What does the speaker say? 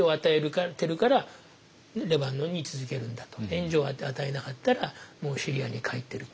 援助を与えなかったらもうシリアに帰ってると。